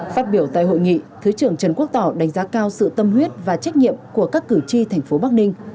phát biểu tại hội nghị thứ trưởng trần quốc tỏ đánh giá cao sự tâm huyết và trách nhiệm của các cử tri thành phố bắc ninh